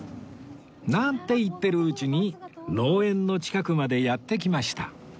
なんて言ってるうちに農園の近くまでやって来ました